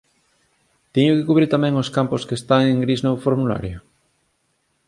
Teño que cubrir tamén os campos que están en gris no formulario?